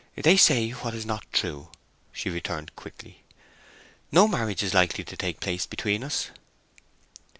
"They say what is not true." she returned quickly. "No marriage is likely to take place between us."